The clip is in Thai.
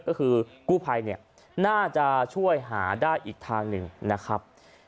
ก็คือกู้ภัยเนี่ยน่าจะช่วยหาได้อีกทางหนึ่งนะครับ